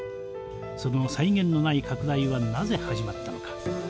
その際限のない拡大はなぜ始まったのか。